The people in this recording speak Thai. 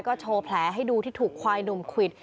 ก็โชว์แผลให้ดูที่ถูกควายหนุ่มควิด